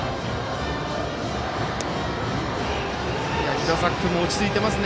廣崎君も落ち着いています。